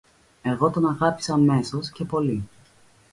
Εγώ τον αγάπησα αμέσως και πολύ.